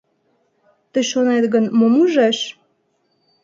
Тый шонет гын, мом ужеш?